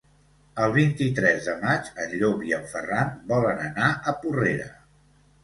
El vint-i-tres de maig en Llop i en Ferran volen anar a Porrera.